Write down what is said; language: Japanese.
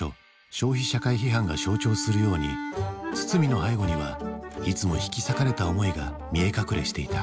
「消費社会批判」が象徴するように堤の背後にはいつも引き裂かれた思いが見え隠れしていた。